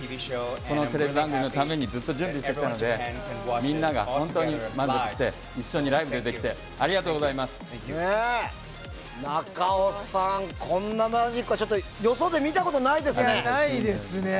このテレビ番組のためにずっと準備してきたので皆が本当に満足して一緒にライブでできて中尾さんこんなマジックはないですね。